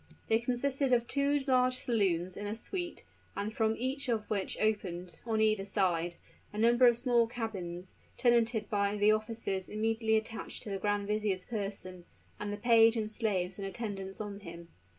They consisted of two large saloons in a suit, and from each of which opened, on either side, a number of small cabins, tenanted by the officers immediately attached to the grand vizier's person, and the page and slaves in attendance on him.